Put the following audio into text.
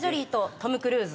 トム・クルーズ？